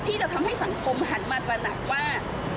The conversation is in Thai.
ที่จะทำให้สังคมหันมาตระหนักว่า